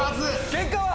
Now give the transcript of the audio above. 結果は？